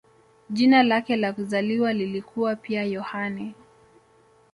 Jina lake la kuzaliwa lilikuwa pia "Yohane".